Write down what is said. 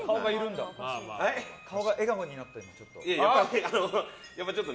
顔が笑顔になってる、ちょっと。